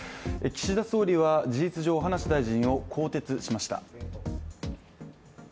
岸田総理は事実上、葉梨大臣を更迭しました。